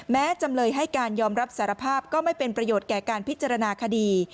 จำเลยให้การยอมรับสารภาพก็ไม่เป็นประโยชน์แก่การพิจารณาคดี